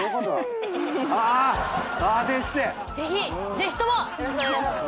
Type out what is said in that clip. ぜひともよろしくお願いします。